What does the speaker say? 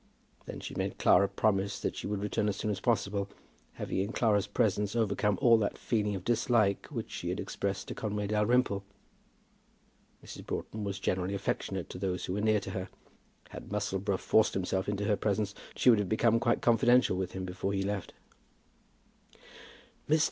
Then she made Clara promise that she would return as soon as possible, having in Clara's presence overcome all that feeling of dislike which she had expressed to Conway Dalrymple. Mrs. Broughton was generally affectionate to those who were near to her. Had Musselboro forced himself into her presence, she would have become quite confidential with him before he left her. "Mr.